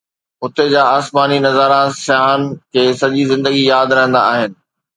هتي جا آسماني نظارا سياحن کي سڄي زندگي ياد رهندا آهن